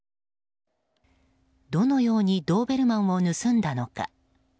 どのようにドーベルマンを盗んだのか。